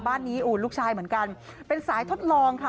บ้านนี้ลูกชายเหมือนกันเป็นสายทดลองค่ะ